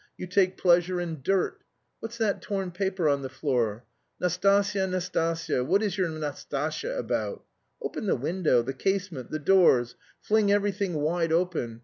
You take pleasure in dirt. What's that torn paper on the floor? Nastasya, Nastasya! What is your Nastasya about? Open the window, the casement, the doors, fling everything wide open.